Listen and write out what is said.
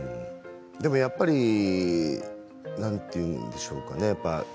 やっぱりなんて言うんでしょうかね